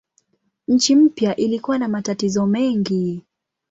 Nchi mpya ilikuwa na matatizo mengi.